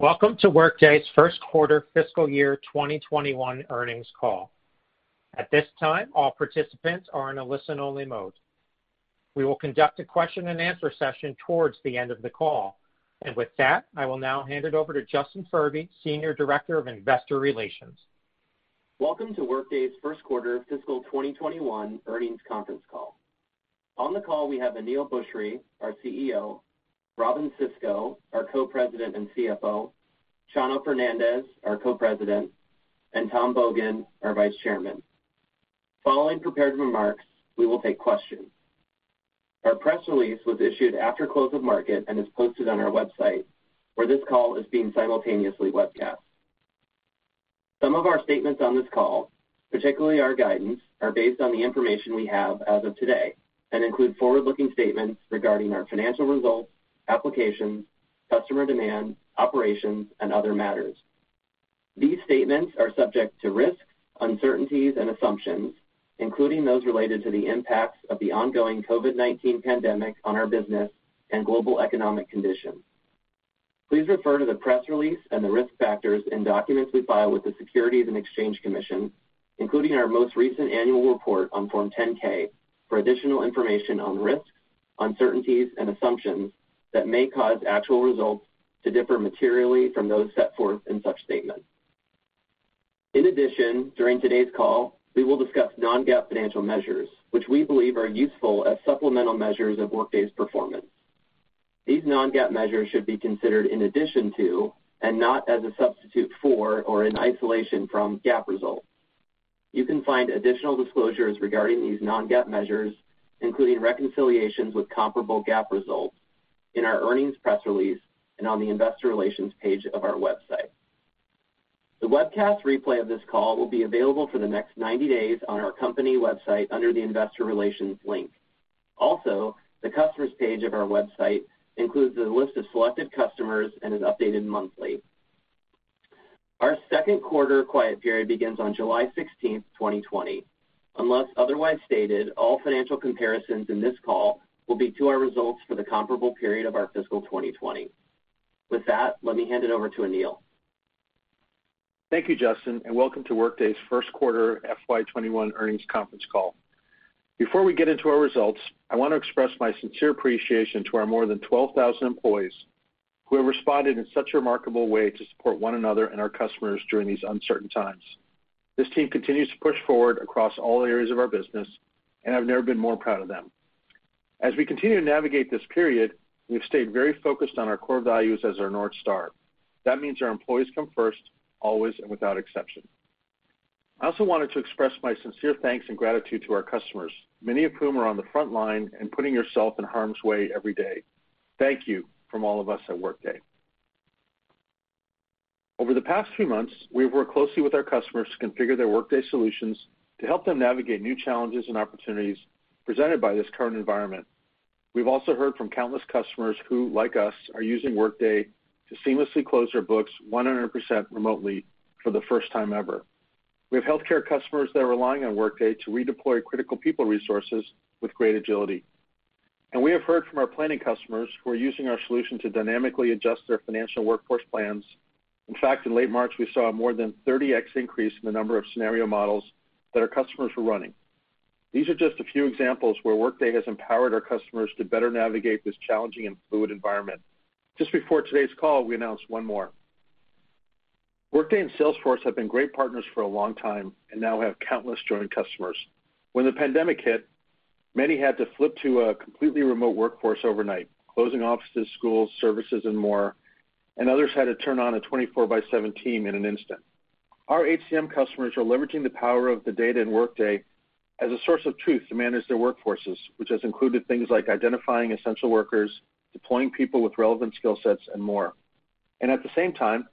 Welcome to Workday's First Quarter Fiscal Year 2021 Earnings Call. At this time, all participants are in a listen-only mode. We will conduct a question and answer session towards the end of the call. With that, I will now hand it over to Justin Furby, senior director of investor relations. Welcome to Workday's First Quarter Fiscal 2021 Earnings Conference Call. On the call, we have Aneel Bhusri, our CEO, Robynne Sisco, our Co-President and CFO, Chano Fernandez, our Co-President, and Tom Bogan, our Vice Chairman. Following prepared remarks, we will take questions. Our press release was issued after close of market and is posted on our website, where this call is being simultaneously webcast. Some of our statements on this call, particularly our guidance, are based on the information we have as of today and include forward-looking statements regarding our financial results, applications, customer demand, operations, and other matters. These statements are subject to risks, uncertainties, and assumptions, including those related to the impacts of the ongoing COVID-19 pandemic on our business and global economic conditions. Please refer to the press release and the risk factors in documents we file with the Securities and Exchange Commission, including our most recent annual report on Form 10-K, for additional information on risks, uncertainties, and assumptions that may cause actual results to differ materially from those set forth in such statements. In addition, during today's call, we will discuss non-GAAP financial measures, which we believe are useful as supplemental measures of Workday's performance. These non-GAAP measures should be considered in addition to, and not as a substitute for or in isolation from, GAAP results. You can find additional disclosures regarding these non-GAAP measures, including reconciliations with comparable GAAP results, in our earnings press release and on the investor relations page of our website. The webcast replay of this call will be available for the next 90 days on our company website under the investor relations link. Also, the customers page of our website includes a list of selected customers and is updated monthly. Our second quarter quiet period begins on July 16th, 2020. Unless otherwise stated, all financial comparisons in this call will be to our results for the comparable period of our fiscal 2020. With that, let me hand it over to Aneel. Thank you, Justin, and welcome to Workday's First Quarter FY 2021 Earnings Conference Call. Before we get into our results, I want to express my sincere appreciation to our more than 12,000 employees who have responded in such a remarkable way to support one another and our customers during these uncertain times. This team continues to push forward across all areas of our business, and I've never been more proud of them. As we continue to navigate this period, we've stayed very focused on our core values as our North Star. That means our employees come first, always and without exception. I also wanted to express my sincere thanks and gratitude to our customers, many of whom are on the front line and putting yourself in harm's way every day. Thank you from all of us at Workday. Over the past few months, we've worked closely with our customers to configure their Workday solutions to help them navigate new challenges and opportunities presented by this current environment. We've also heard from countless customers who, like us, are using Workday to seamlessly close their books 100% remotely for the first time ever. We have healthcare customers that are relying on Workday to redeploy critical people resources with great agility. We have heard from our planning customers who are using our solution to dynamically adjust their financial workforce plans. In fact, in late March, we saw more than 30x increase in the number of scenario models that our customers were running. These are just a few examples where Workday has empowered our customers to better navigate this challenging and fluid environment. Just before today's call, we announced one more. Workday and Salesforce have been great partners for a long time and now have countless joint customers. When the pandemic hit, many had to flip to a completely remote workforce overnight, closing offices, schools, services, and more, and others had to turn on a 24/7 team in an instant. Our HCM customers are leveraging the power of the data in Workday as a source of truth to manage their workforces, which has included things like identifying essential workers, deploying people with relevant skill sets, and more. At the same time,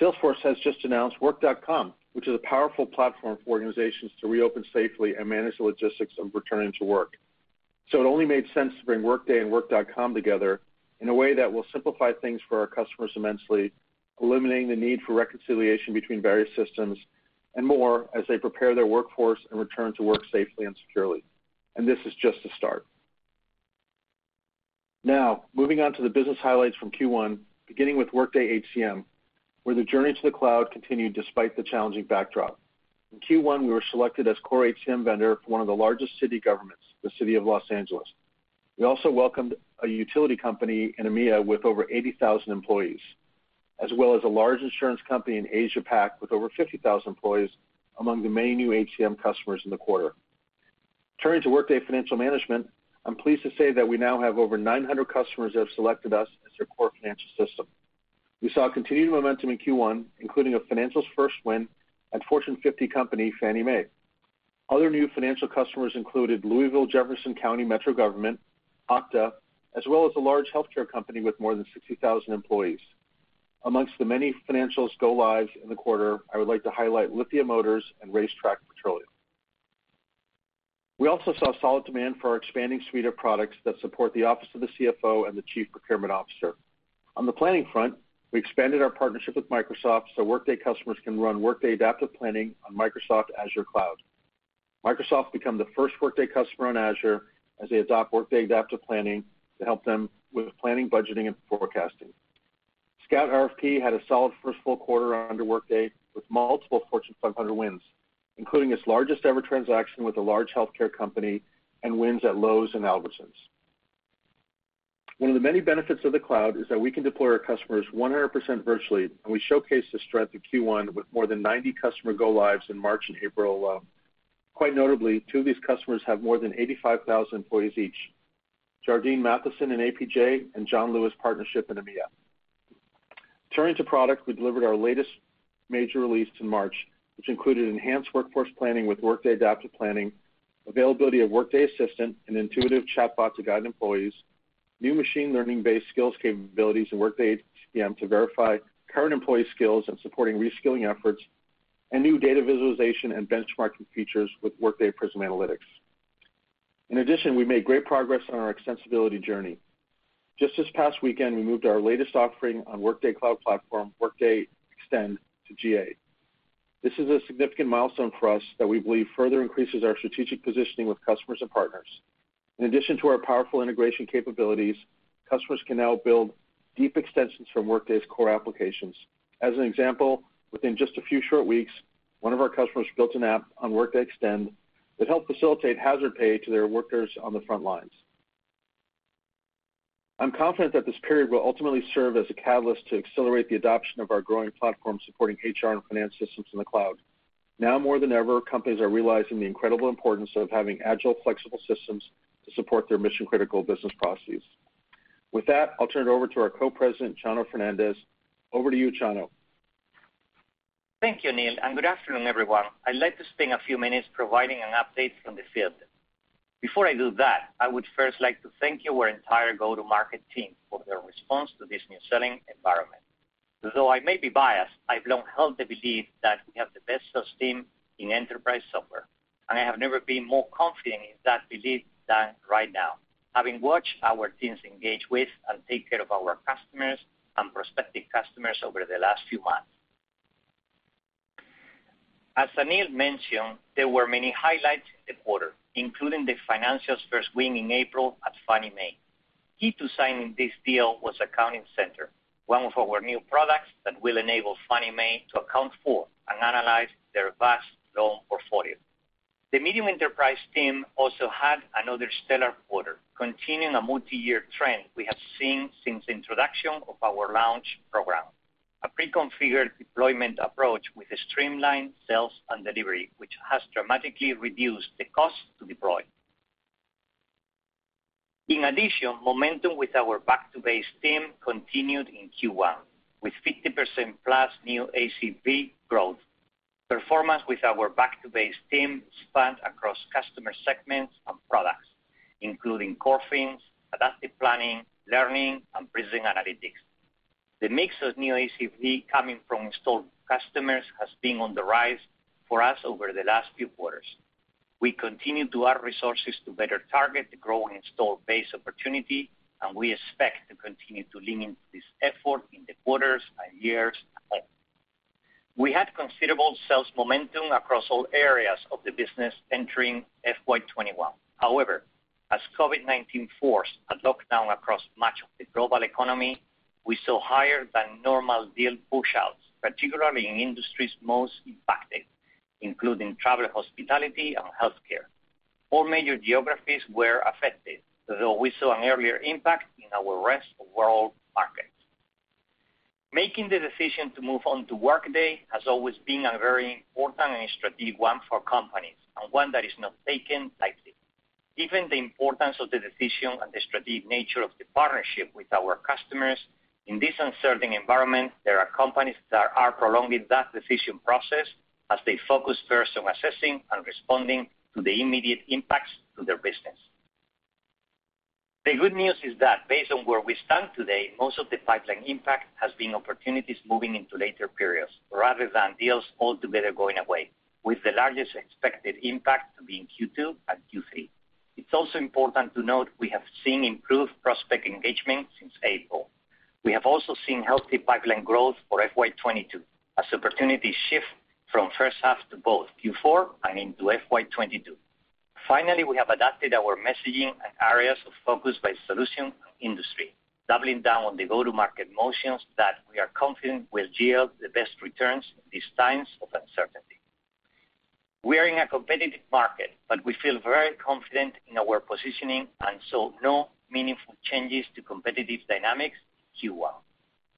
Salesforce has just announced Work.com, which is a powerful platform for organizations to reopen safely and manage the logistics of returning to work. It only made sense to bring Workday and Work.com together in a way that will simplify things for our customers immensely, eliminating the need for reconciliation between various systems and more as they prepare their workforce and return to work safely and securely. This is just the start. Moving on to the business highlights from Q1, beginning with Workday HCM, where the journey to the cloud continued despite the challenging backdrop. In Q1, we were selected as core HCM vendor for one of the largest city governments, the City of Los Angeles. We also welcomed a utility company in EMEA with over 80,000 employees, as well as a large insurance company in Asia-Pac with over 50,000 employees, among the many new HCM customers in the quarter. Turning to Workday Financial Management, I'm pleased to say that we now have over 900 customers that have selected us as their core financial system. We saw continued momentum in Q1, including a financials first win at Fortune 50 company Fannie Mae. Other new financial customers included Louisville/Jefferson County Metro Government, Okta, as well as a large healthcare company with more than 60,000 employees. Amongst the many financials go lives in the quarter, I would like to highlight Lithia Motors and RaceTrac Petroleum. We also saw solid demand for our expanding suite of products that support the office of the CFO and the Chief Procurement Officer. On the planning front, we expanded our partnership with Microsoft so Workday customers can run Workday Adaptive Planning on Microsoft Azure cloud. Microsoft become the first Workday customer on Azure as they adopt Workday Adaptive Planning to help them with planning, budgeting, and forecasting. Scout RFP had a solid first full quarter under Workday, with multiple Fortune 500 wins, including its largest-ever transaction with a large healthcare company, and wins at Lowe's and Albertsons. One of the many benefits of the cloud is that we can deploy our customers 100% virtually, and we showcased this strength in Q1 with more than 90 customer go-lives in March and April alone. Quite notably, two of these customers have more than 85,000 employees each, Jardine Matheson in APJ and John Lewis Partnership in EMEA. Turning to product, we delivered our latest major release in March, which included enhanced workforce planning with Workday Adaptive Planning, availability of Workday Assistant, an intuitive chatbot to guide employees, new machine learning-based skills capabilities in Workday HCM to verify current employee skills and supporting reskilling efforts, and new data visualization and benchmarking features with Workday Prism Analytics. In addition, we made great progress on our extensibility journey. Just this past weekend, we moved our latest offering on Workday Cloud Platform, Workday Extend, to GA. This is a significant milestone for us that we believe further increases our strategic positioning with customers and partners. In addition to our powerful integration capabilities, customers can now build deep extensions from Workday's core applications. As an example, within just a few short weeks, one of our customers built an app on Workday Extend that helped facilitate hazard pay to their workers on the front lines. I'm confident that this period will ultimately serve as a catalyst to accelerate the adoption of our growing platform supporting HR and finance systems in the cloud. Now more than ever, companies are realizing the incredible importance of having agile, flexible systems to support their mission-critical business processes. With that, I'll turn it over to our Co-President, Chano Fernandez. Over to you, Chano. Thank you, Aneel, and good afternoon, everyone. I'd like to spend a few minutes providing an update from the field. Before I do that, I would first like to thank our entire go-to-market team for their response to this new selling environment. Though I may be biased, I've long held the belief that we have the best sales team in enterprise software, and I have never been more confident in that belief than right now, having watched our teams engage with and take care of our customers and prospective customers over the last few months. As Aneel mentioned, there were many highlights in the quarter, including the financials first win in April at Fannie Mae. Key to signing this deal was Accounting Center, one of our new products that will enable Fannie Mae to account for and analyze their vast loan portfolio. The medium enterprise team also had another stellar quarter, continuing a multi-year trend we have seen since the introduction of our Launch Program, a pre-configured deployment approach with a streamlined sales and delivery, which has dramatically reduced the cost to deploy. In addition, momentum with our back-to-base team continued in Q1, with 50%+ new ACV growth. Performance with our back-to-base team spans across customer segments and products, including core FINS, Adaptive Planning, learning, and Prism Analytics. The mix of new ACV coming from installed customers has been on the rise for us over the last few quarters. We continue to add resources to better target the growing installed base opportunity, and we expect to continue to lean into this effort in the quarters and years ahead. We had considerable sales momentum across all areas of the business entering FY 2021. However, as COVID-19 forced a lockdown across much of the global economy, we saw higher than normal deal pushouts, particularly in industries most impacted, including travel, hospitality, and healthcare. All major geographies were affected, though we saw an earlier impact in our rest-of-world markets. Making the decision to move on to Workday has always been a very important and strategic one for companies, and one that is not taken lightly. Given the importance of the decision and the strategic nature of the partnership with our customers, in this uncertain environment, there are companies that are prolonging that decision process as they focus first on assessing and responding to the immediate impacts to their business. The good news is that based on where we stand today, most of the pipeline impact has been opportunities moving into later periods rather than deals altogether going away, with the largest expected impact to be in Q2 and Q3. It's also important to note we have seen improved prospect engagement since April. We have also seen healthy pipeline growth for FY 2022 as opportunities shift from the first half to both Q4 and into FY 2022. Finally, we have adapted our messaging and areas of focus by solution and industry, doubling down on the go-to-market motions that we are confident will yield the best returns in these times of uncertainty. We are in a competitive market, but we feel very confident in our positioning and saw no meaningful changes to competitive dynamics in Q1.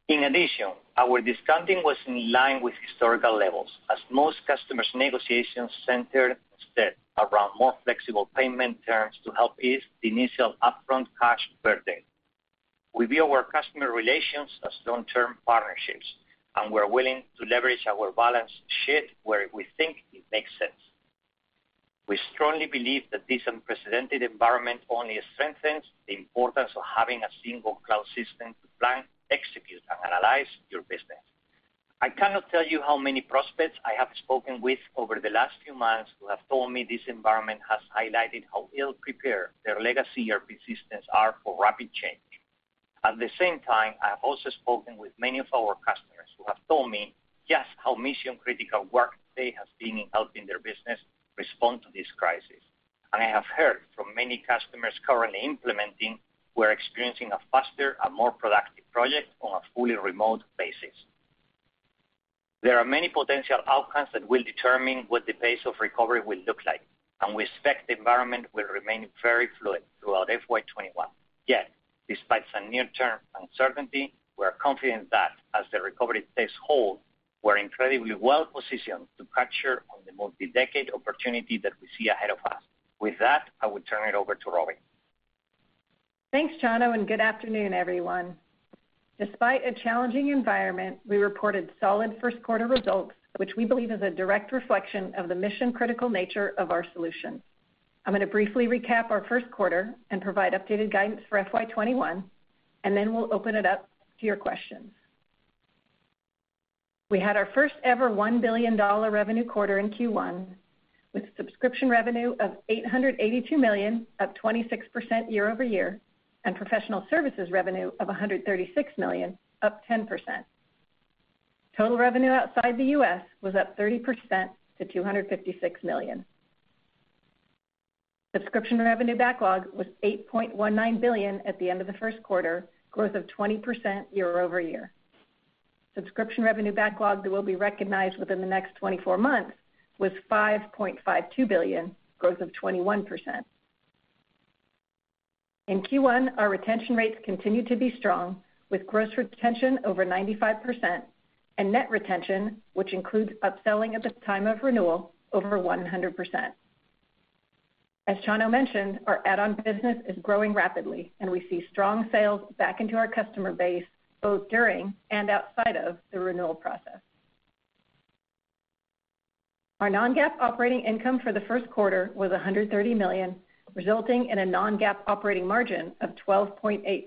In addition, our discounting was in line with historical levels as most customers' negotiations centered instead around more flexible payment terms to help ease the initial upfront cash burden. We view our customer relations as long-term partnerships, and we're willing to leverage our balance sheet where we think it makes sense. We strongly believe that this unprecedented environment only strengthens the importance of having a single cloud system to plan, execute, and analyze your business. I cannot tell you how many prospects I have spoken with over the last few months who have told me this environment has highlighted how ill-prepared their legacy ERP systems are for rapid change. At the same time, I have also spoken with many of our customers who have told me just how mission-critical Workday has been in helping their business respond to this crisis. I have heard from many customers currently implementing who are experiencing a faster and more productive project on a fully remote basis. There are many potential outcomes that will determine what the pace of recovery will look like, and we expect the environment will remain very fluid throughout FY 2021. Yet, despite some near-term uncertainty, we're confident that as the recovery takes hold, we're incredibly well-positioned to capture on the multi-decade opportunity that we see ahead of us. With that, I will turn it over to Robynne. Thanks, Chano, and good afternoon, everyone. Despite a challenging environment, we reported solid first-quarter results, which we believe is a direct reflection of the mission-critical nature of our solutions. I'm going to briefly recap our first quarter and provide updated guidance for FY 2021, and then we'll open it up to your questions. We had our first ever $1 billion revenue quarter in Q1, with subscription revenue of $882 million, up 26% year-over-year, and professional services revenue of $136 million, up 10%. Total revenue outside the U.S. was up 30% to $256 million. Subscription revenue backlog was $8.19 billion at the end of the first quarter, growth of 20% year-over-year. Subscription revenue backlog that will be recognized within the next 24 months was $5.52 billion, growth of 21%. In Q1, our retention rates continued to be strong, with gross retention over 95%, and net retention, which includes upselling at the time of renewal, over 100%. As Chano mentioned, our add-on business is growing rapidly, and we see strong sales back into our customer base, both during and outside of the renewal process. Our non-GAAP operating income for the first quarter was $130 million, resulting in a non-GAAP operating margin of 12.8%.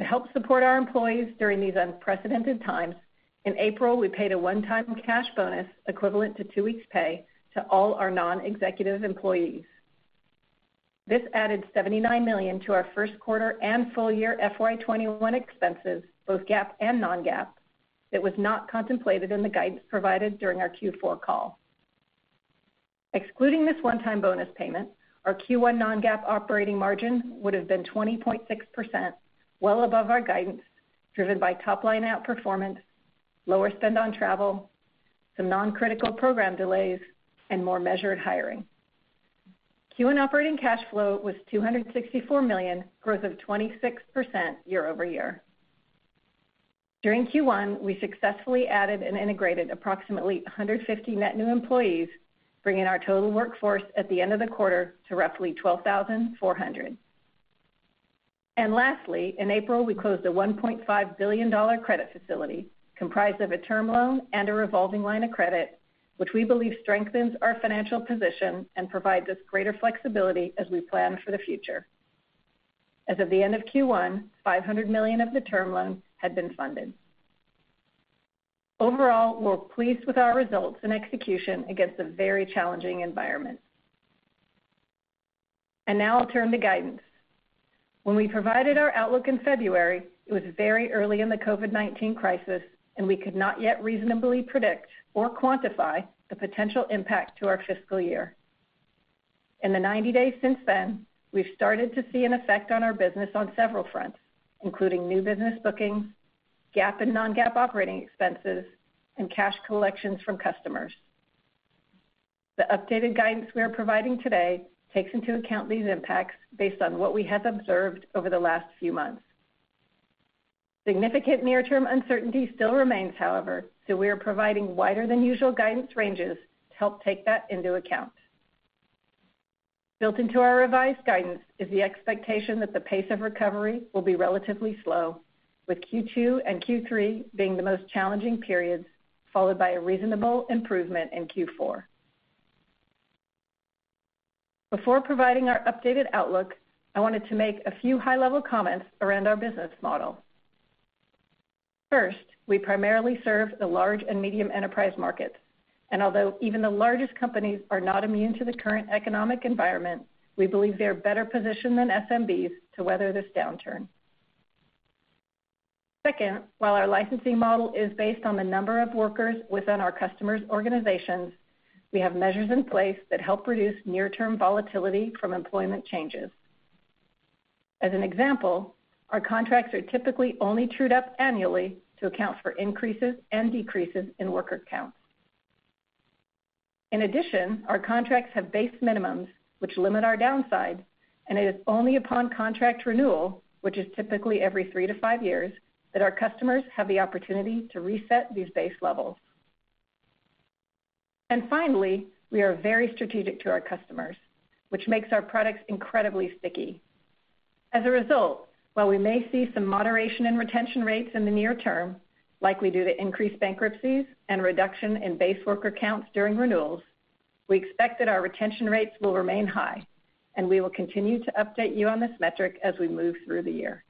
To help support our employees during these unprecedented times, in April, we paid a one-time cash bonus equivalent to two weeks' pay to all our non-executive employees. This added $79 million to our first quarter and full year FY 2021 expenses, both GAAP and non-GAAP, that was not contemplated in the guidance provided during our Q4 call. Excluding this one-time bonus payment, our Q1 non-GAAP operating margin would have been 20.6%, well above our guidance, driven by top-line outperformance, lower spend on travel, some non-critical program delays, and more measured hiring. Q1 operating cash flow was $264 million, growth of 26% year-over-year. During Q1, we successfully added and integrated approximately 150 net new employees, bringing our total workforce at the end of the quarter to roughly 12,400. Lastly, in April, we closed a $1.5 billion credit facility comprised of a term loan and a revolving line of credit, which we believe strengthens our financial position and provides us greater flexibility as we plan for the future. As of the end of Q1, $500 million of the term loans had been funded. Overall, we're pleased with our results and execution against a very challenging environment. Now I'll turn to guidance. When we provided our outlook in February, it was very early in the COVID-19 crisis, and we could not yet reasonably predict or quantify the potential impact to our fiscal year. In the 90 days since then, we've started to see an effect on our business on several fronts, including new business bookings, GAAP and non-GAAP operating expenses, and cash collections from customers. The updated guidance we are providing today takes into account these impacts based on what we have observed over the last few months. Significant near-term uncertainty still remains, however, so we are providing wider than usual guidance ranges to help take that into account. Built into our revised guidance is the expectation that the pace of recovery will be relatively slow, with Q2 and Q3 being the most challenging periods, followed by a reasonable improvement in Q4. Before providing our updated outlook, I wanted to make a few high-level comments around our business model. Although even the largest companies are not immune to the current economic environment, we believe they are better positioned than SMBs to weather this downturn. Second, while our licensing model is based on the number of workers within our customers' organizations, we have measures in place that help reduce near-term volatility from employment changes. As an example, our contracts are typically only trued up annually to account for increases and decreases in worker count. It is only upon contract renewal, which is typically every three to five years, that our customers have the opportunity to reset these base levels. Finally, we are very strategic to our customers, which makes our products incredibly sticky. As a result, while we may see some moderation in retention rates in the near term, likely due to increased bankruptcies and reduction in base worker counts during renewals, we expect that our retention rates will remain high, and we will continue to update you on this metric as we move through the year.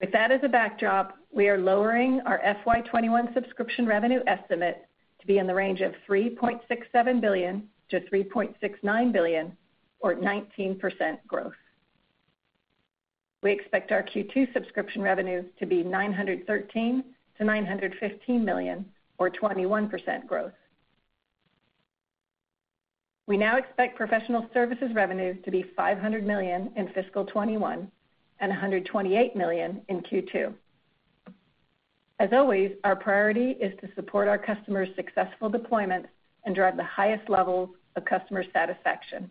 With that as a backdrop, we are lowering our FY 2021 subscription revenue estimate to be in the range of $3.67 billion-$3.69 billion, or 19% growth. We expect our Q2 subscription revenue to be $913 million-$915 million, or 21% growth. We now expect professional services revenue to be $500 million in fiscal 2021, and $128 million in Q2. As always, our priority is to support our customers' successful deployment and drive the highest levels of customer satisfaction.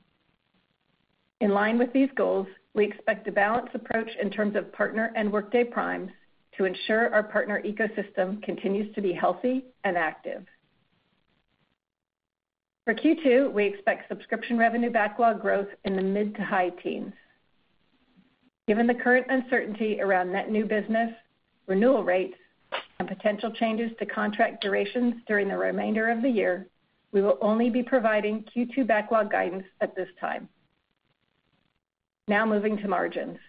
In line with these goals, we expect a balanced approach in terms of partner and Workday primes to ensure our partner ecosystem continues to be healthy and active. For Q2, we expect subscription revenue backlog growth in the mid to high teens. Given the current uncertainty around net new business, renewal rates, and potential changes to contract durations during the remainder of the year, we will only be providing Q2 backlog guidance at this time. Now, moving to margins.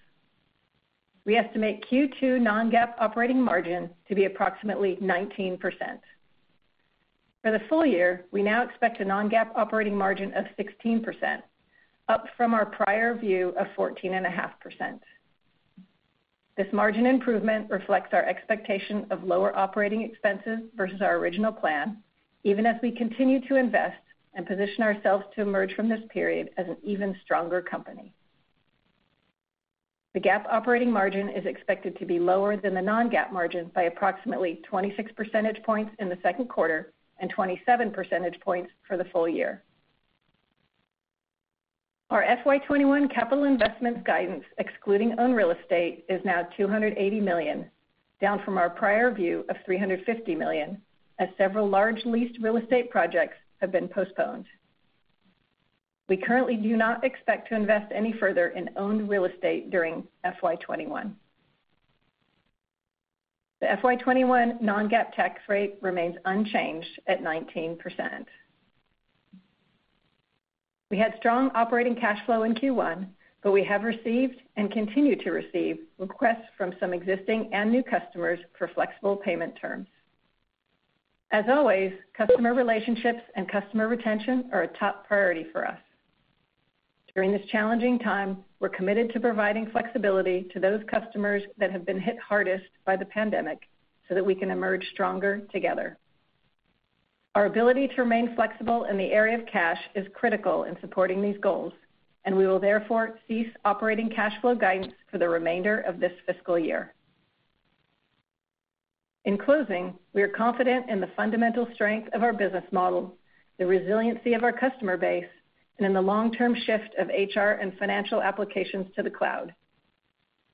We estimate Q2 non-GAAP operating margin to be approximately 19%. For the full year, we now expect a non-GAAP operating margin of 16%, up from our prior view of 14.5%. This margin improvement reflects our expectation of lower operating expenses versus our original plan, even as we continue to invest and position ourselves to emerge from this period as an even stronger company. The GAAP operating margin is expected to be lower than the non-GAAP margin by approximately 26 percentage points in the second quarter, and 27 percentage points for the full year. Our FY 2021 capital investments guidance, excluding owned real estate, is now $280 million, down from our prior view of $350 million, as several large leased real estate projects have been postponed. We currently do not expect to invest any further in owned real estate during FY 2021. The FY 2021 non-GAAP tax rate remains unchanged at 19%. We had strong operating cash flow in Q1, but we have received, and continue to receive, requests from some existing and new customers for flexible payment terms. As always, customer relationships and customer retention are a top priority for us. During this challenging time, we're committed to providing flexibility to those customers that have been hit hardest by the pandemic so that we can emerge stronger together. Our ability to remain flexible in the area of cash is critical in supporting these goals, and we will therefore cease operating cash flow guidance for the remainder of this fiscal year. In closing, we are confident in the fundamental strength of our business model, the resiliency of our customer base, and in the long-term shift of HR and financial applications to the cloud.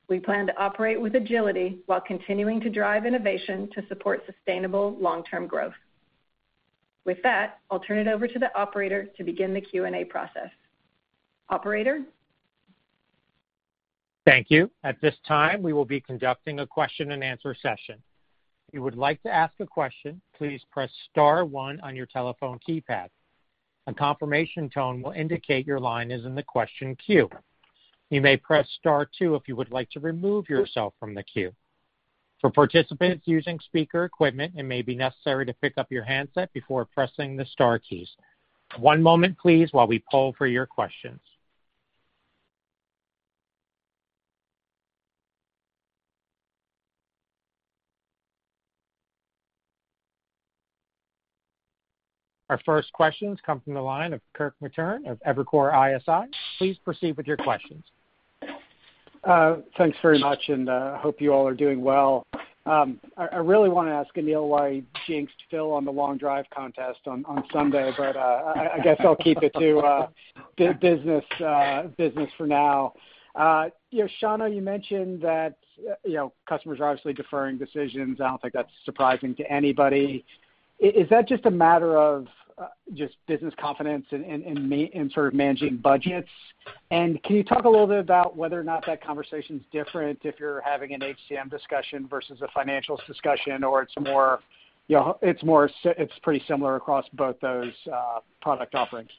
We plan to operate with agility while continuing to drive innovation to support sustainable long-term growth. With that, I'll turn it over to the operator to begin the Q&A process. Operator? Thank you. At this time, we will be conducting a question and answer session. If you would like to ask a question, please press star one on your telephone keypad. A confirmation tone will indicate your line is in the question queue. You may press star two if you would like to remove yourself from the queue. For participants using speaker equipment, it may be necessary to pick up your handset before pressing the star keys. One moment, please, while we poll for your questions. Our first question comes from the line of Kirk Materne of Evercore ISI. Please proceed with your questions. Thanks very much. I hope you all are doing well. I really want to ask Aneel why he jinxed Phil on the long drive contest on Sunday. I guess I'll keep it to business for now. Chano, you mentioned that customers are obviously deferring decisions. I don't think that's surprising to anybody. Is that just a matter of just business confidence and sort of managing budgets? Can you talk a little bit about whether or not that conversation's different if you're having an HCM discussion versus a Financials discussion, or it's pretty similar across both those product offerings?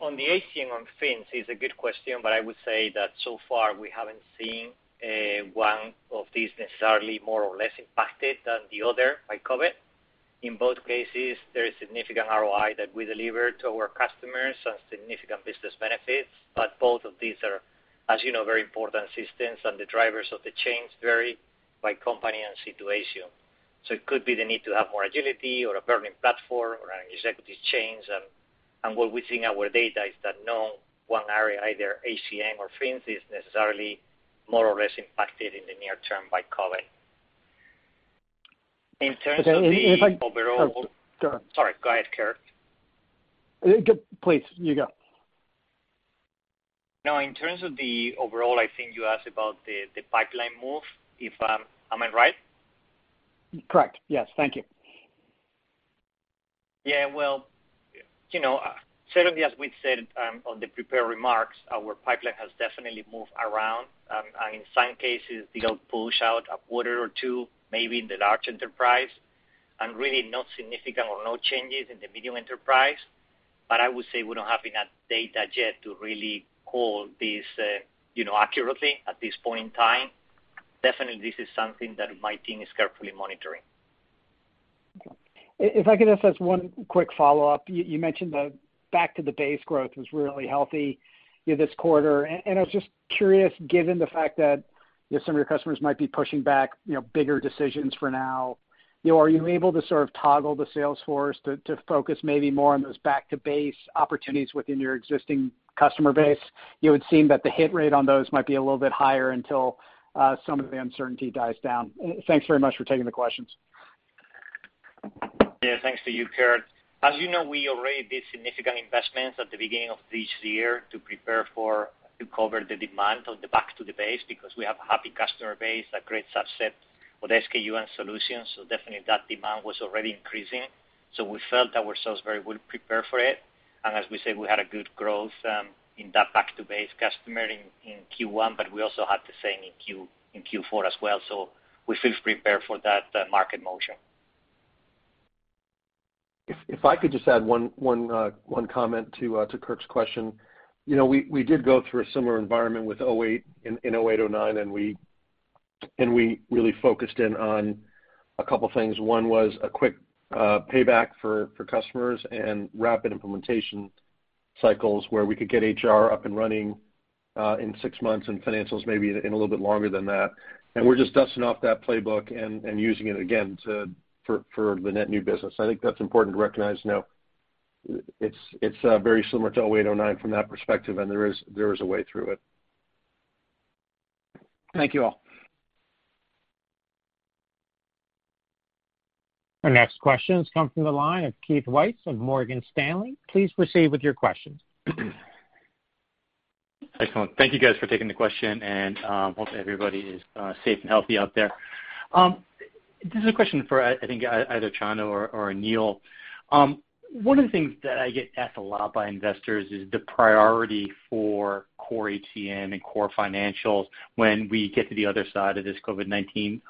On the HCM, on Fins, it's a good question, I would say that so far we haven't seen one of these necessarily more or less impacted than the other by COVID. In both cases, there is significant ROI that we deliver to our customers and significant business benefits. Both of these are, as you know, very important systems, and the drivers of the change vary by company and situation. It could be the need to have more agility or a burning platform or an executive change. What we see in our data is that no one area, either HCM or Fins, is necessarily more or less impacted in the near term by COVID. Okay. Oh, go ahead. Sorry. Go ahead, Kirk. Please, you go. No, in terms of the overall, I think you asked about the pipeline move. Am I right? Correct. Yes. Thank you. Yeah. Well, certainly as we've said on the prepared remarks, our pipeline has definitely moved around. In some cases, pushed out a quarter or two, maybe in the large enterprise. And really no significant or no changes in the medium enterprise. I would say we don't have enough data yet to really call this accurately at this point in time. Definitely this is something that my team is carefully monitoring. Okay. If I could ask just one quick follow-up. You mentioned the back to the base growth was really healthy this quarter, and I was just curious, given the fact that some of your customers might be pushing back bigger decisions for now, are you able to sort of toggle the sales force to focus maybe more on those back-to-base opportunities within your existing customer base? It would seem that the hit rate on those might be a little bit higher until some of the uncertainty dies down. Thanks very much for taking the questions. Yeah, thanks to you, Kirk. As you know, we already did significant investments at the beginning of this year to cover the demand of the back to the base because we have a happy customer base, a great subset with SKU and solutions. Definitely that demand was already increasing. We felt that we're very well prepared for it. As we said, we had a good growth in that back-to-base customer in Q1, but we also had the same in Q4 as well. We feel prepared for that market motion. If I could just add one comment to Kirk's question. We did go through a similar environment in 2008, 2009, and we really focused in on a couple of things. One was a quick payback for customers and rapid implementation cycles where we could get HR up and running in six months, and financials maybe in a little bit longer than that. We're just dusting off that playbook and using it again for the net new business. I think that's important to recognize now. It's very similar to 2008, 2009 from that perspective, and there is a way through it. Thank you all. Our next question comes from the line of Keith Weiss of Morgan Stanley. Please proceed with your question. Excellent. Thank you guys for taking the question. Hope everybody is safe and healthy out there. This is a question for, I think, either Chano or Aneel. One of the things that I get asked a lot by investors is the priority for core HCM and core financials when we get to the other side of this COVID-19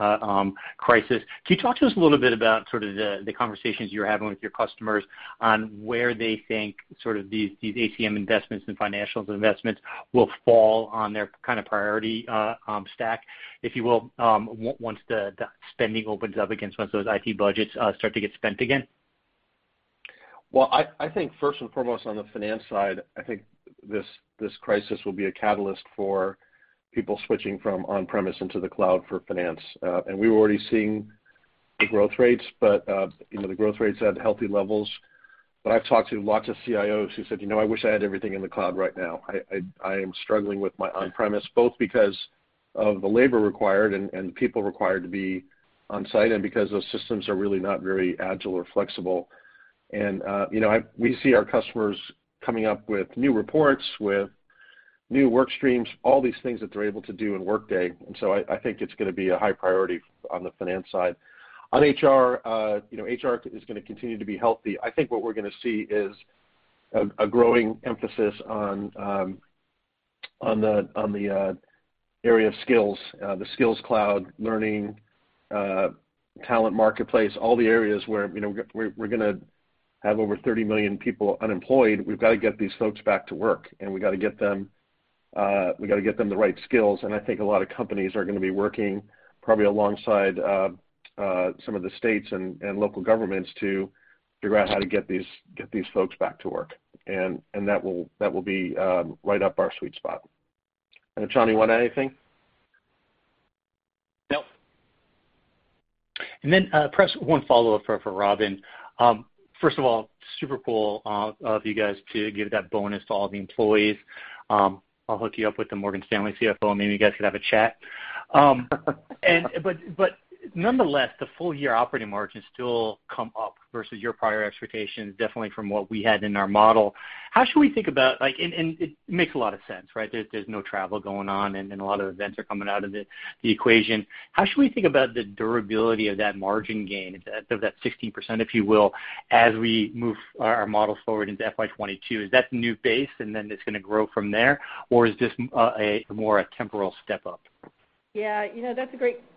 crisis. Can you talk to us a little bit about sort of the conversations you're having with your customers on where they think these HCM investments and financials investments will fall on their kind of priority stack, if you will, once the spending opens up again, once those IT budgets start to get spent again? I think first and foremost on the finance side, I think this crisis will be a catalyst for people switching from on-premise into the cloud for finance. We were already seeing the growth rates, but the growth rates at healthy levels. I've talked to lots of CIOs who said, "I wish I had everything in the cloud right now. I am struggling with my on-premise," both because of the labor required and people required to be on-site, and because those systems are really not very agile or flexible. We see our customers coming up with new reports, with new work streams, all these things that they're able to do in Workday. I think it's going to be a high priority on the finance side. On HR is going to continue to be healthy. I think what we're going to see is a growing emphasis on the area of skills, the skills cloud, learning, talent marketplace, all the areas where we're going to have over 30 million people unemployed. We've got to get these folks back to work, and we got to get them the right skills, and I think a lot of companies are going to be working probably alongside some of the states and local governments to figure out how to get these folks back to work. That will be right up our sweet spot. Chano, you want to add anything? Nope. Perhaps one follow-up for Robynne. First of all, super cool of you guys to give that bonus to all the employees. I'll hook you up with the Morgan Stanley CFO, and maybe you guys could have a chat. Nonetheless, the full-year operating margins still come up versus your prior expectations, definitely from what we had in our model. How should we think about, it makes a lot of sense, right? There's no travel going on, and a lot of events are coming out of the equation. How should we think about the durability of that margin gain, of that 16%, if you will, as we move our models forward into FY 2022? Is that the new base and then it's going to grow from there, or is this more a temporal step up? Yeah. That's a great question,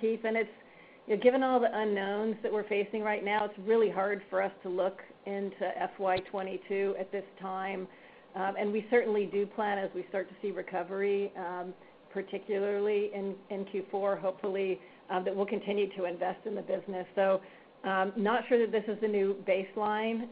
Keith. Given all the unknowns that we're facing right now, it's really hard for us to look into FY 2022 at this time. We certainly do plan as we start to see recovery, particularly in Q4, hopefully, that we'll continue to invest in the business. Not sure that this is the new baseline,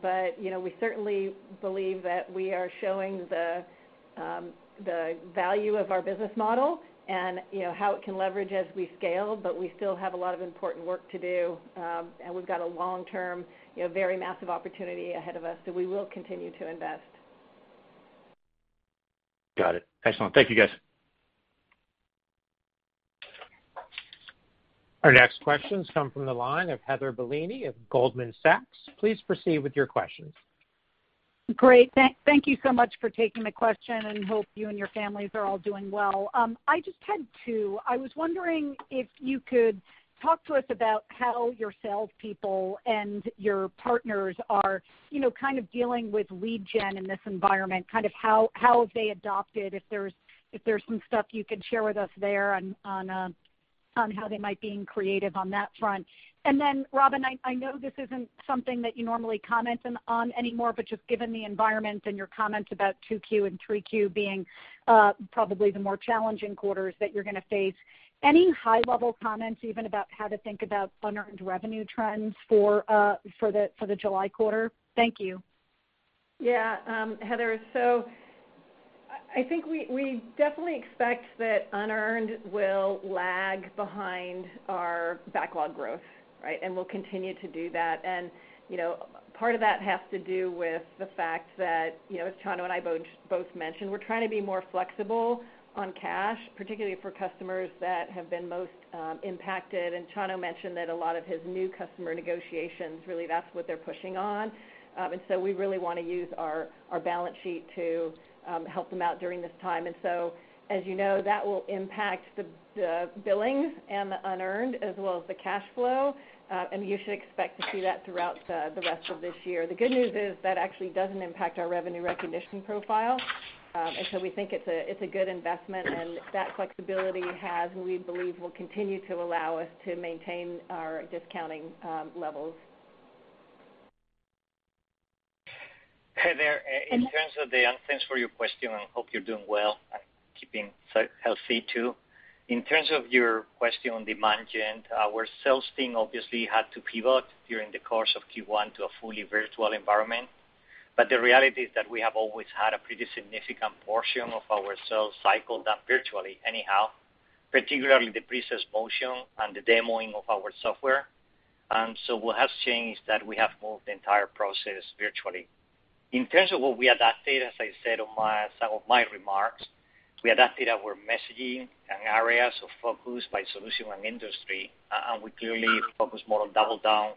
but we certainly believe that we are showing the value of our business model and how it can leverage as we scale, but we still have a lot of important work to do, and we've got a long-term, very massive opportunity ahead of us. We will continue to invest. Got it. Excellent. Thank you, guys. Our next question comes from the line of Heather Bellini of Goldman Sachs. Please proceed with your question. Great. Thank you so much for taking the question, and hope you and your families are all doing well. I just had two. I was wondering if you could talk to us about how your salespeople and your partners are kind of dealing with lead gen in this environment, kind of how have they adopted, if there's some stuff you could share with us there on how they might be creative on that front. Robynne, I know this isn't something that you normally comment on anymore, but just given the environment and your comments about 2Q and 3Q being probably the more challenging quarters that you're going to face. Any high-level comments even about how to think about unearned revenue trends for the July quarter? Thank you. Yeah. Heather, I think we definitely expect that unearned will lag behind our backlog growth, right? Will continue to do that. Part of that has to do with the fact that, as Chano and I both mentioned, we're trying to be more flexible on cash, particularly for customers that have been most impacted. Chano mentioned that a lot of his new customer negotiations, really that's what they're pushing on. We really want to use our balance sheet to help them out during this time. As you know, that will impact the billings and the unearned as well as the cash flow. You should expect to see that throughout the rest of this year. The good news is that actually doesn't impact our revenue recognition profile. We think it's a good investment, and that flexibility has, we believe, will continue to allow us to maintain our discounting levels. Heather, thanks for your question and hope you're doing well and keeping healthy, too. In terms of your question on demand gen, our sales team obviously had to pivot during the course of Q1 to a fully virtual environment. The reality is that we have always had a pretty significant portion of our sales cycle done virtually anyhow, particularly the pre-sales motion and the demoing of our software. What has changed is that we have moved the entire process virtually. In terms of what we adapted, as I said on some of my remarks, we adapted our messaging and areas of focus by solution and industry. We clearly focus more on double down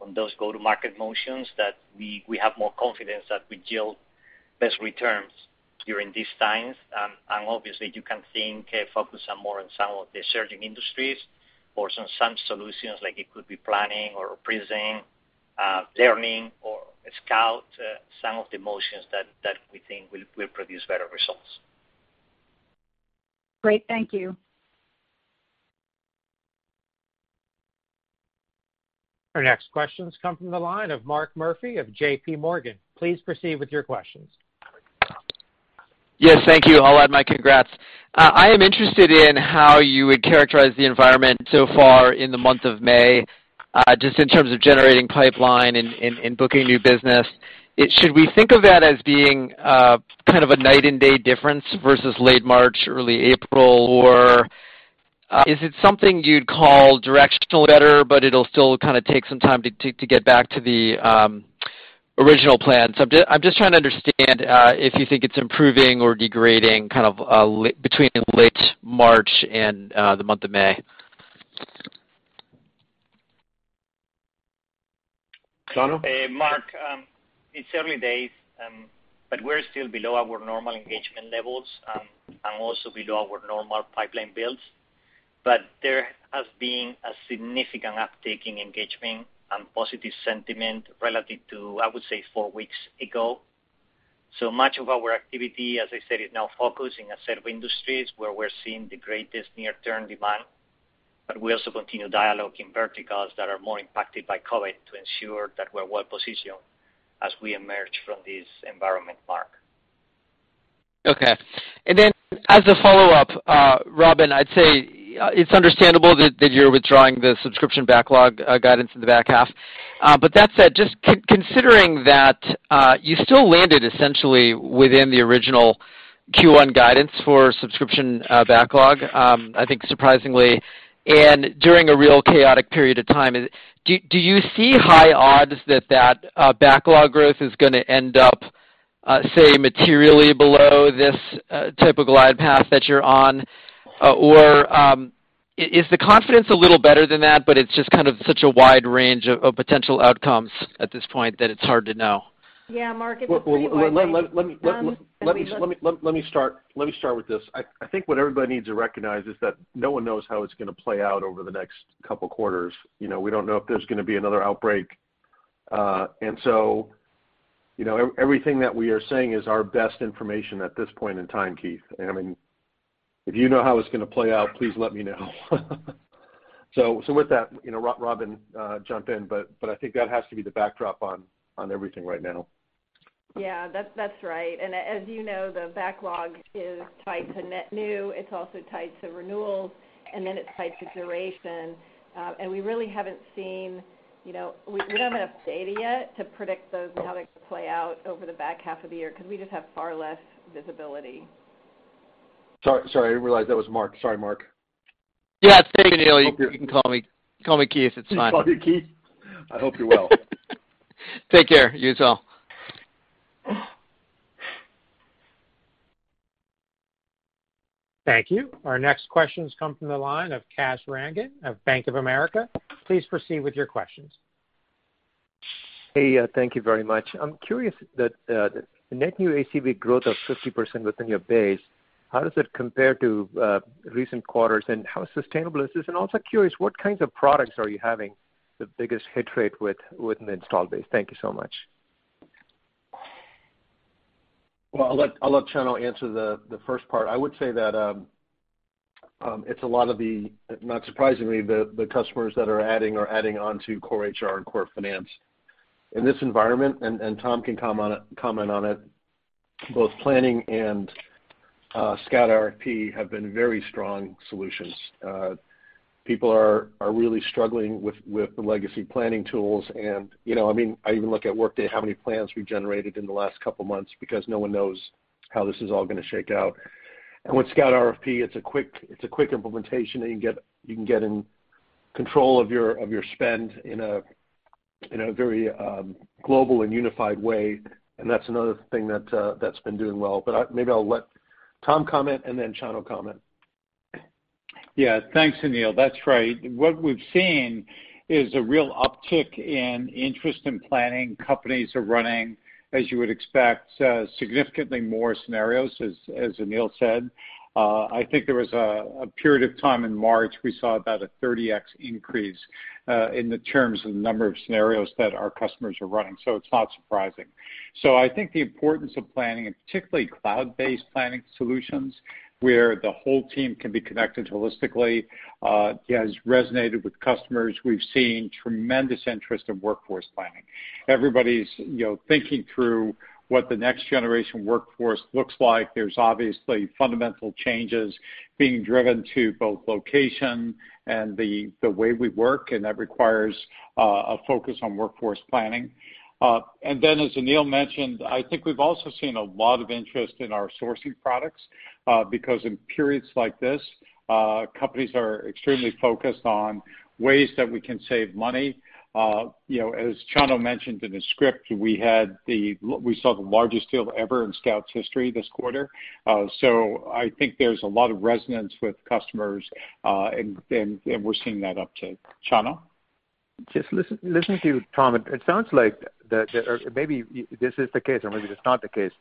on those go-to-market motions that we have more confidence that we yield best returns during these times. Obviously you can think, focus on more on some of the surging industries or some solutions like it could be planning or pricing, learning or Scout, some of the motions that we think will produce better results. Great. Thank you. Our next questions come from the line of Mark Murphy of JPMorgan. Please proceed with your questions. Yes, thank you. I'll add my congrats. I am interested in how you would characterize the environment so far in the month of May, just in terms of generating pipeline and booking new business. Should we think of that as being kind of a night and day difference versus late March, early April, or is it something you'd call directionally better, but it'll still kind of take some time to get back to the original plan? I'm just trying to understand, if you think it's improving or degrading, kind of between late March and the month of May? Chano? Mark, it's early days, we're still below our normal engagement levels, and also below our normal pipeline builds. There has been a significant uptake in engagement and positive sentiment relative to, I would say, four weeks ago. Much of our activity, as I said, is now focused in a set of industries where we're seeing the greatest near-term demand, but we also continue dialogue in verticals that are more impacted by COVID to ensure that we're well-positioned as we emerge from this environment, Mark. Okay. As a follow-up, Robynne, I'd say it's understandable that you're withdrawing the subscription backlog guidance in the back half. That said, just considering that you still landed essentially within the original Q1 guidance for subscription backlog, I think surprisingly, and during a real chaotic period of time, do you see high odds that backlog growth is going to end up, say, materially below this typical glide path that you're on? Is the confidence a little better than that, but it's just kind of such a wide range of potential outcomes at this point that it's hard to know? Yeah, Mark, it's a pretty wide range- Let me start with this. I think what everybody needs to recognize is that no one knows how it's going to play out over the next couple of quarters. We don't know if there's going to be another outbreak. Everything that we are saying is our best information at this point in time, Keith. I mean, if you know how it's going to play out, please let me know. With that, Robynne, jump in. I think that has to be the backdrop on everything right now. Yeah. That's right. As you know, the backlog is tied to net new. It's also tied to renewals, it's tied to duration. We don't have enough data yet to predict those and how they play out over the back half of the year because we just have far less visibility. Sorry, I didn't realize that was Mark. Sorry, Mark. Yeah, it's me, Aneel. You can call me Keith. It's fine. Call you Keith? I hope you're well. Take care. You as well. Thank you. Our next questions come from the line of Kash Rangan of Bank of America. Please proceed with your questions. Hey, thank you very much. I'm curious that the net new ACV growth of 50% within your base, how does it compare to recent quarters, and how sustainable is this? Also curious, what kinds of products are you having the biggest hit rate with in the install base? Thank you so much. I'll let Chano answer the first part. I would say that it's a lot of the, not surprisingly, the customers that are adding are adding on to core HR and core finance. In this environment, Tom can comment on it, both Planning and Scout RFP have been very strong solutions. People are really struggling with the legacy planning tools, I even look at Workday, how many plans we've generated in the last couple of months because no one knows how this is all going to shake out. With Scout RFP, it's a quick implementation that you can get in control of your spend in a very global and unified way, that's another thing that's been doing well. Maybe I'll let Tom comment, Chano comment. Yeah, thanks, Aneel. That's right. What we've seen is a real uptick in interest in planning. Companies are running, as you would expect, significantly more scenarios, as Aneel said. I think there was a period of time in March, we saw about a 30x increase in the terms of the number of scenarios that our customers are running. It's not surprising. I think the importance of planning, and particularly cloud-based planning solutions, where the whole team can be connected holistically, has resonated with customers. We've seen tremendous interest in workforce planning. Everybody's thinking through what the next generation workforce looks like. There's obviously fundamental changes being driven to both location and the way we work, and that requires a focus on workforce planning. As Aneel mentioned, I think we've also seen a lot of interest in our sourcing products, because in periods like this, companies are extremely focused on ways that we can save money. As Chano mentioned in his script, we saw the largest deal ever in Scout's history this quarter. I think there's a lot of resonance with customers, and we're seeing that uptick. Chano? Just listening to you, Tom, it sounds like, maybe this is the case or maybe it's not the case,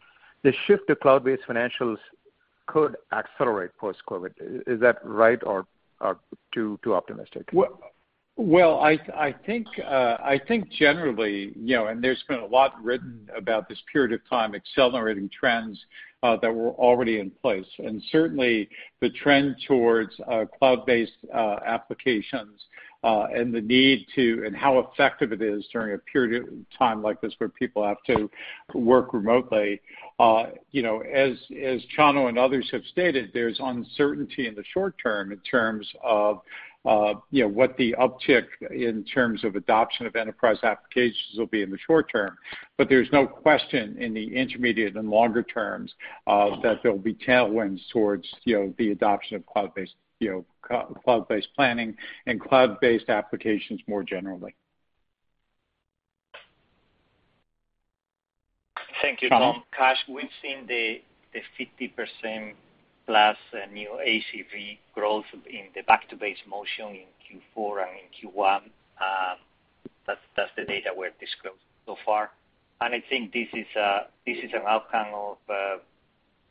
the shift to cloud-based financials could accelerate post-COVID-19. Is that right or too optimistic? Well, I think generally, and there's been a lot written about this period of time accelerating trends that were already in place, and certainly the trend towards cloud-based applications, and the need to, and how effective it is during a period of time like this where people have to work remotely. As Chano and others have stated, there's uncertainty in the short term in terms of what the uptick in terms of adoption of enterprise applications will be in the short term. There's no question in the intermediate and longer terms that there'll be tailwinds towards the adoption of cloud-based planning and cloud-based applications more generally. Thank you, Tom. Kash, we've seen the 50%+ new ACV growth in the back-to-base motion in Q4 and in Q1. That's the data we have disclosed so far. I think this is an outcome of,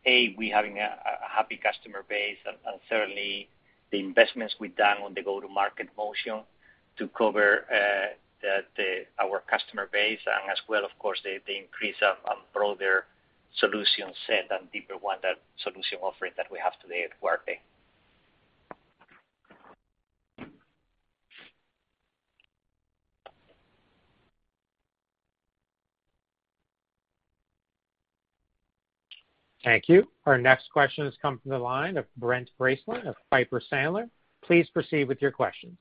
A, we having a happy customer base, and certainly the investments we've done on the go-to-market motion to cover our customer base, and as well, of course, the increase of broader solution set and deeper one solution offering that we have today at Workday. Thank you. Our next question has come from the line of Brent Bracelin of Piper Sandler. Please proceed with your questions.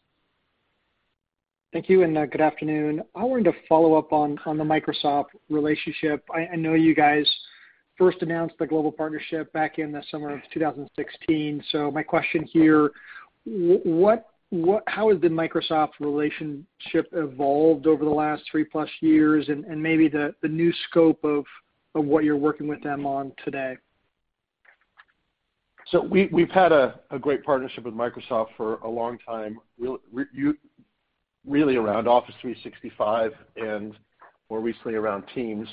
Thank you. Good afternoon. I wanted to follow up on the Microsoft relationship. I know you guys first announced the global partnership back in the summer of 2016. My question here, how has the Microsoft relationship evolved over the last three-plus years, and maybe the new scope of what you're working with them on today? We've had a great partnership with Microsoft for a long time, really around Office 365 and more recently around Teams.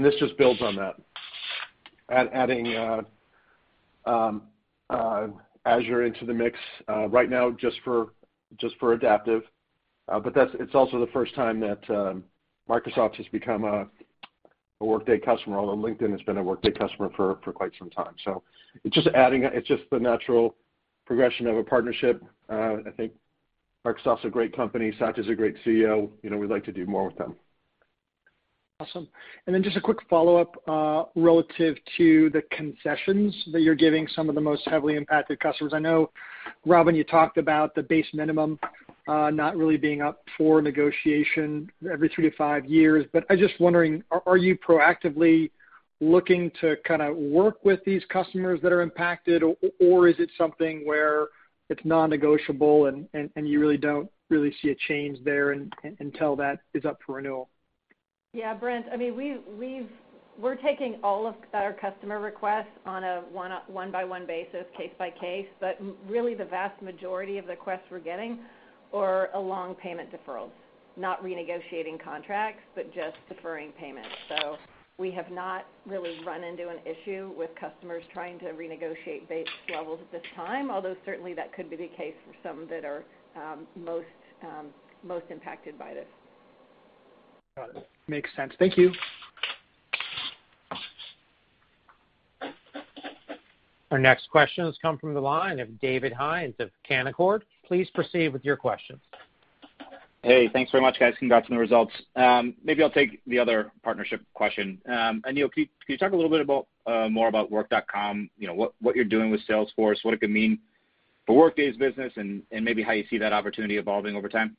This just builds on that. Adding Azure into the mix right now just for Adaptive, but it's also the first time that Microsoft has become a Workday customer, although LinkedIn has been a Workday customer for quite some time. It's just the natural progression of a partnership. I think Microsoft's a great company. Satya's a great CEO. We'd like to do more with them. Awesome. Just a quick follow-up relative to the concessions that you're giving some of the most heavily impacted customers. I know, Robynne, you talked about the base minimum not really being up for negotiation every three to five years, but I'm just wondering, are you proactively looking to kind of work with these customers that are impacted, or is it something where it's non-negotiable, and you don't really see a change there until that is up for renewal? Yeah, Brent, we're taking all of our customer requests on a one-by-one basis, case by case, but really the vast majority of the requests we're getting are along payment deferrals, not renegotiating contracts, but just deferring payments. We have not really run into an issue with customers trying to renegotiate base levels at this time, although certainly that could be the case for some that are most impacted by this. Got it. Makes sense. Thank you. Our next question has come from the line of David Hynes of Canaccord. Please proceed with your questions. Hey, thanks very much, guys. Congrats on the results. Maybe I'll take the other partnership question. Aneel, can you talk a little bit more about Work.com? What you're doing with Salesforce, what it could mean for Workday's business, and maybe how you see that opportunity evolving over time?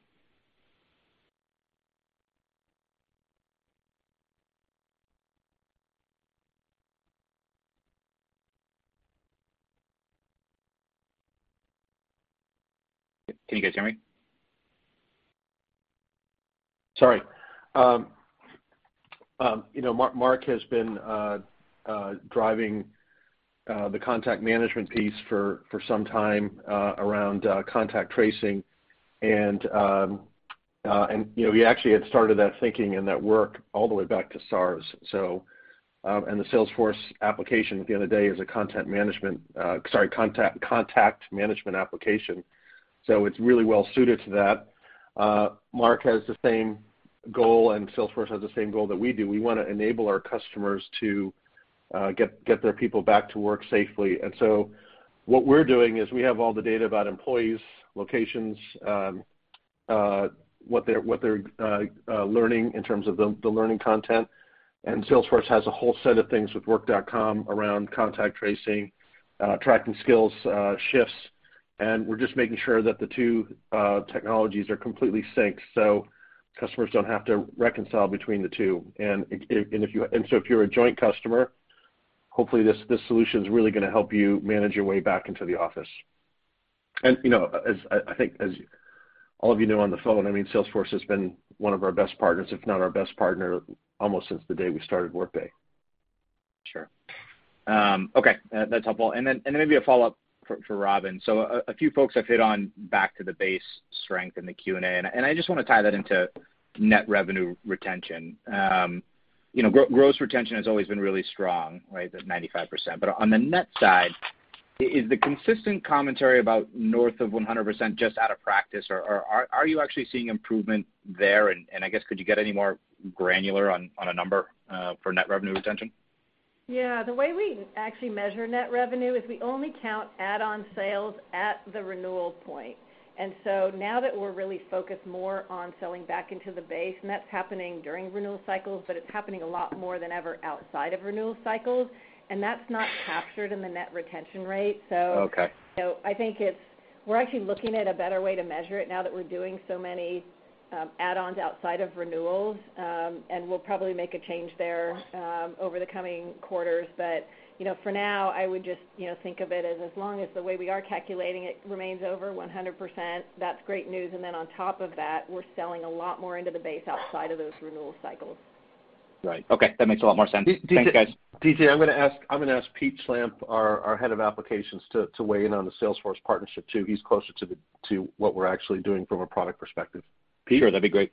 Can you guys hear me? Sorry. Mark has been driving the contact management piece for some time around contact tracing, and he actually had started that thinking and that work all the way back to SARS. The Salesforce application, at the end of the day, is a contact management application, so it's really well-suited to that. Mark has the same goal, and Salesforce has the same goal that we do. We want to enable our customers to get their people back to work safely. What we're doing is we have all the data about employees, locations, what they're learning in terms of the learning content. Salesforce has a whole set of things with Work.com around contact tracing, tracking skills, shifts, and we're just making sure that the two technologies are completely synced so customers don't have to reconcile between the two. If you're a joint customer, hopefully this solution's really going to help you manage your way back into the office. I think as all of you know on the phone, Salesforce has been one of our best partners, if not our best partner, almost since the day we started Workday. Sure. Okay, that's helpful. Then maybe a follow-up for Robynne. A few folks have hit on back to the base strength in the Q&A, and I just want to tie that into net revenue retention. Gross retention has always been really strong, right, the 95%. On the net side, is the consistent commentary about north of 100% just out of practice, or are you actually seeing improvement there? I guess could you get any more granular on a number for net revenue retention? Yeah. The way we actually measure net revenue is we only count add-on sales at the renewal point. Now that we're really focused more on selling back into the base, and that's happening during renewal cycles, but it's happening a lot more than ever outside of renewal cycles, and that's not captured in the net retention rate. Okay. I think we're actually looking at a better way to measure it now that we're doing so many add-ons outside of renewals, and we'll probably make a change there over the coming quarters. For now, I would just think of it as long as the way we are calculating it remains over 100%, that's great news. Then on top of that, we're selling a lot more into the base outside of those renewal cycles. Right. Okay, that makes a lot more sense. Thanks, guys. DJ, I'm going to ask Pete Schlampp, our Head of Applications, to weigh in on the Salesforce partnership, too. He's closer to what we're actually doing from a product perspective. Pete? Sure, that'd be great.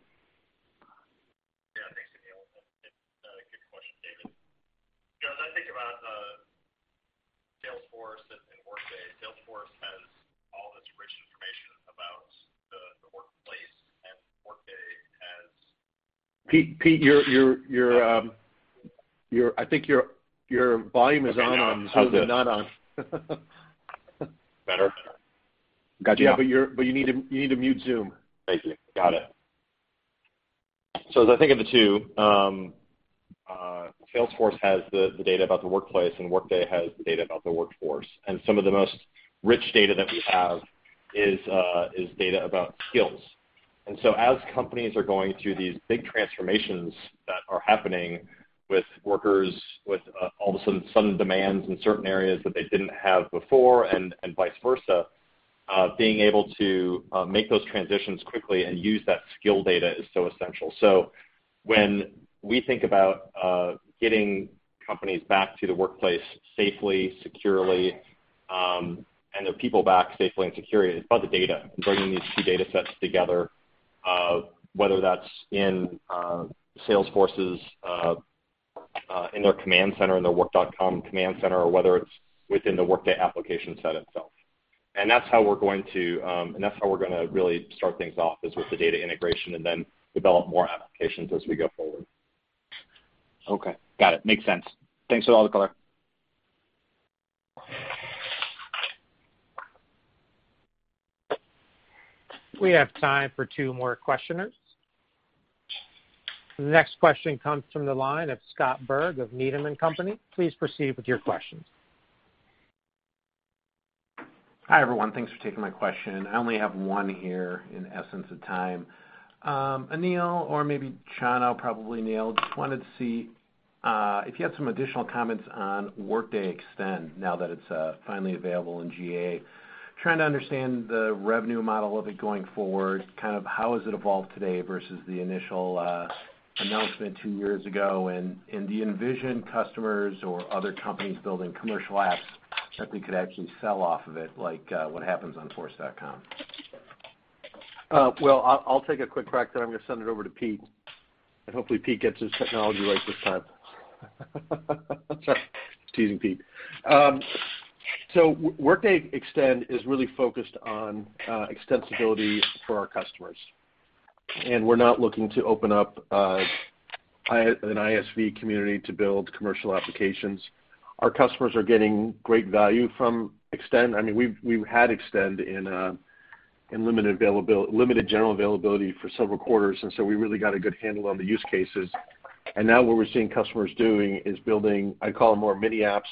Yeah, thanks, Aneel, and good question, David. As I think about Salesforce and Workday, Salesforce has all this rich information about the workplace and Workday has- Pete, I think your volume is on- Okay, no.... on Zoom and not. How's this? Better? Gotcha. You need to mute Zoom. Thank you. Got it. As I think of the two, Salesforce has the data about the workplace, and Workday has the data about the workforce, and some of the most rich data that we have is data about skills. As companies are going through these big transformations that are happening with workers, with all of a sudden some demands in certain areas that they didn't have before and vice versa, being able to make those transitions quickly and use that skill data is so essential. When we think about getting companies back to the workplace safely, securely, and their people back safely and securely, it's about the data and bringing these two data sets together, whether that's in Salesforce's, in their command center, in their Work.com command center, or whether it's within the Workday application set itself. That's how we're going to really start things off, is with the data integration and then develop more applications as we go forward. Okay. Got it. Makes sense. Thanks for all the color. We have time for two more questioners. The next question comes from the line of Scott Berg of Needham & Company. Please proceed with your questions. Hi, everyone. Thanks for taking my question. I only have one here in the essence of time. Aneel, or maybe Chano, probably Aneel, just wanted to see if you had some additional comments on Workday Extend now that it's finally available in GA. Trying to understand the revenue model of it going forward, kind of how has it evolved today versus the initial announcement two years ago? Do you envision customers or other companies building commercial apps that we could actually sell off of it, like what happens on Force.com? Well, I'll take a quick crack, I'm going to send it over to Pete, hopefully Pete gets his technology right this time. Sorry. Teasing Pete. Workday Extend is really focused on extensibility for our customers. We're not looking to open up an ISV community to build commercial applications. Our customers are getting great value from Extend. We've had Extend in limited general availability for several quarters, we really got a good handle on the use cases. Now what we're seeing customers doing is building, I call them more mini apps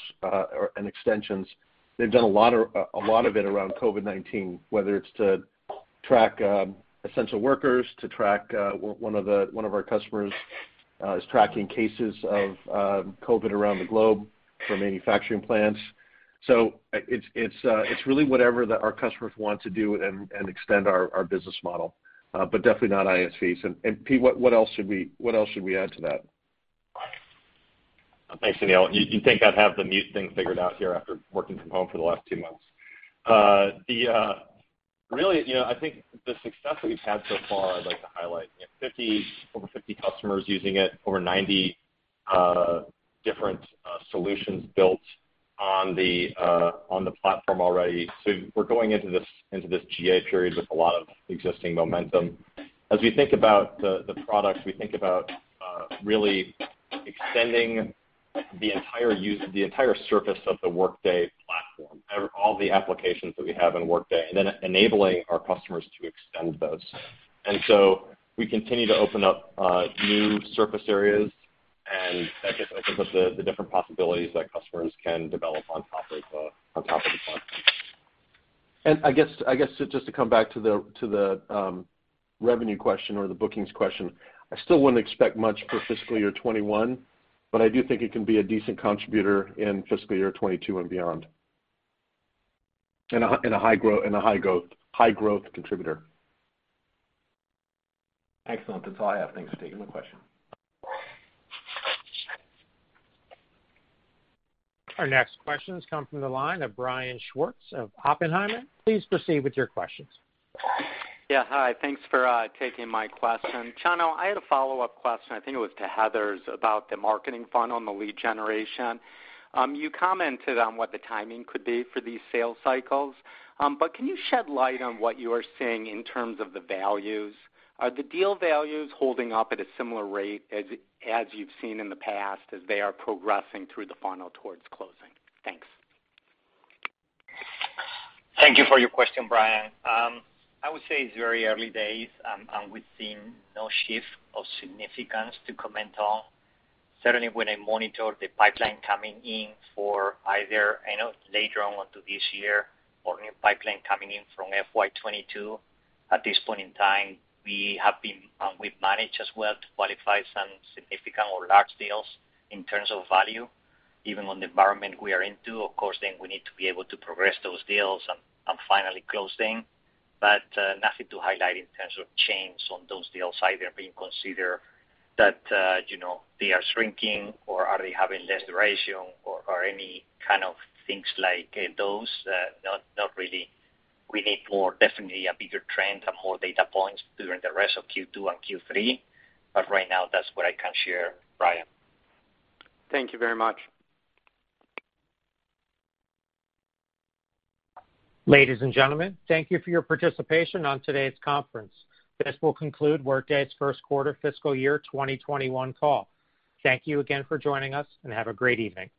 and extensions. They've done a lot of it around COVID-19, whether it's to track essential workers, to track, one of our customers is tracking cases of COVID around the globe for manufacturing plants. Definitely not ISVs. Pete, what else should we add to that? Thanks, Aneel. You'd think I'd have the mute thing figured out here after working from home for the last two months. Really, I think the success that we've had so far, I'd like to highlight. Over 50 customers using it, over 90 different solutions built on the platform already. We're going into this GA period with a lot of existing momentum. As we think about the products, we think about really extending the entire surface of the Workday platform. All the applications that we have in Workday, and then enabling our customers to extend those. We continue to open up new surface areas and I think of the different possibilities that customers can develop on top of the platform. I guess just to come back to the revenue question or the bookings question, I still wouldn't expect much for fiscal year 2021, but I do think it can be a decent contributor in fiscal year 2022 and beyond. A high growth contributor. Excellent. That's all I have. Thanks for taking the question. Our next questions come from the line of Brian Schwartz of Oppenheimer. Please proceed with your questions. Yeah. Hi, thanks for taking my question. Chano, I had a follow-up question, I think it was to Heather's, about the marketing funnel and the lead generation. You commented on what the timing could be for these sales cycles. Can you shed light on what you are seeing in terms of the values? Are the deal values holding up at a similar rate as you've seen in the past as they are progressing through the funnel towards closing? Thanks. Thank you for your question, Brian. I would say it's very early days, and we've seen no shift of significance to comment on. Certainly, when I monitor the pipeline coming in for either later on to this year or new pipeline coming in from FY 2022, at this point in time, we've managed as well to qualify some significant or large deals in terms of value, even on the environment we are into. Of course, we need to be able to progress those deals and finally close them. Nothing to highlight in terms of change on those deals either, being considered that they are shrinking or are they having less duration or any kind of things like those, not really. We need more, definitely a bigger trend and more data points during the rest of Q2 and Q3. Right now, that's what I can share, Brian. Thank you very much. Ladies and gentlemen, thank you for your participation on today's conference. This will conclude Workday's First Quarter Fiscal Year 2021 Call. Thank you again for joining us and have a great evening.